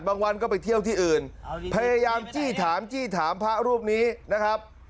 บางวันก็ไปเที่ยวที่อื่นพยายามจี้ถามจี้ถามพระรูปนี้นะครับ